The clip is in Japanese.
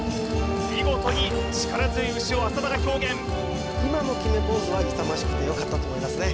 見事に力強い牛を浅田が表現今の決めポーズは勇ましくてよかったと思いますね